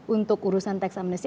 untuk urusan teks amnesti